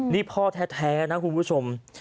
นี่พ่อแท้นะคุณผู้ชม